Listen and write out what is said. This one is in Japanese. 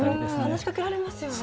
話しかけられますよね。